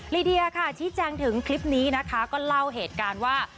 ลีเดียค่ะชี้แจงถึงคลิปนี้นะคะก็เล่าเหตุการณ์ว่า